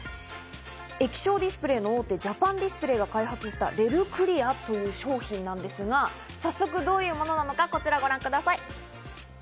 液晶ディスプレーの大手、ジャパンディスプレイが開発したレルクリアという商品なのですが、早速どういうものなのか、こちらをご覧ください。